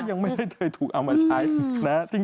ก็ยังไม่ได้เจอถูกเอามาใช้